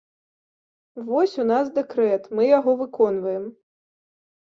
Вось у нас дэкрэт, мы яго выконваем.